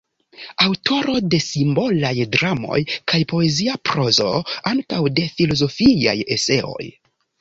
Aŭtoro de simbolaj dramoj kaj poezia prozo, ankaŭ de filozofiaj eseoj.